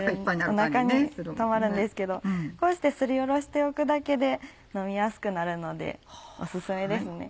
おなかにたまるんですけどこうしてすりおろしておくだけで飲みやすくなるのでお薦めですね。